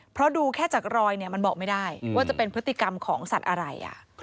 เพราะดูแค่จากรอยเนี่ยมันบอกไม่ได้ว่าจะเป็นพฤติกรรมของสัตว์อะไร